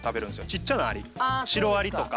小っちゃなアリシロアリとか。